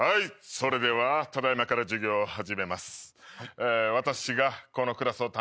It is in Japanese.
それではただ今から授業を始めます。